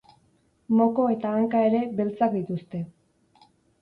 Moko eta hanka ere beltzak dituzte.